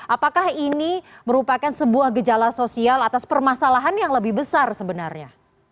apakah ini merupakan sebuah gejala sosial atas permasalahan yang lebih besar sebenarnya